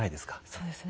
そうですね。